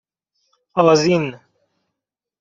آذین